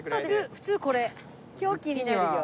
普通これ。